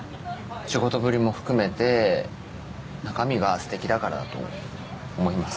仕事ぶりも含めて中身がすてきだからだと思います